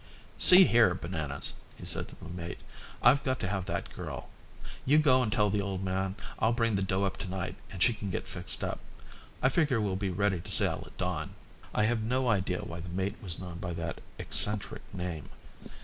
"See here, Bananas," he said to the mate, "I've got to have that girl. You go and tell the old man I'll bring the dough up to night and she can get fixed up. I figure we'll be ready to sail at dawn." I have no idea why the mate was known by that eccentric name.